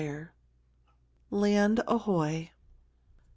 V LAND AHOY!